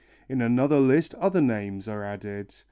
In another list other names are added.